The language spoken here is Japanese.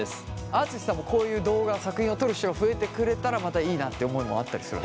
あああつしさんもこういう動画作品を撮る人が増えてくれたらまたいいなって思いもあったりするんですか？